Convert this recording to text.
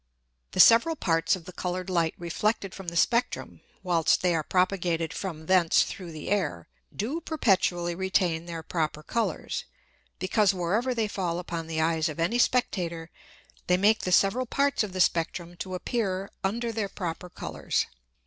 The several parts of the coloured Light reflected from the Spectrum, whilst they are propagated from thence through the Air, do perpetually retain their proper Colours, because wherever they fall upon the Eyes of any Spectator, they make the several parts of the Spectrum to appear under their proper Colours.